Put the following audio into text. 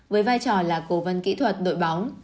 với vai trò là cố vấn kỹ thuật đội bóng